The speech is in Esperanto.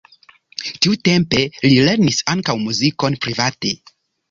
Tiutempe li lernis ankaŭ muzikon private.